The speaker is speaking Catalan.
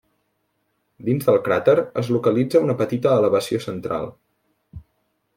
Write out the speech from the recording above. Dins del cràter es localitza una petita elevació central.